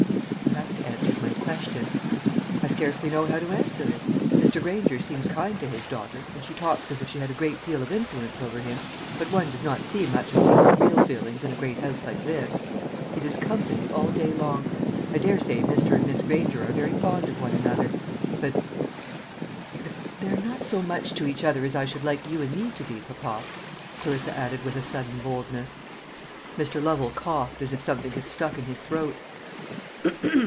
"You haven't answered my question." "I scarcely know how to answer it. Mr. Granger seems kind to his daughter, and she talks as if she had a great deal of influence over him; but one does not see much of people's real feelings in a great house like this. It is 'company' all day long. I daresay Mr. and Miss Granger are very fond of one another, but but they are not so much to each other as I should like you and me to be, papa," Clarissa added with a sudden boldness. Mr. Lovel coughed, as if something had stuck in his throat.